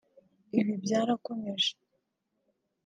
Ibi byarakomeje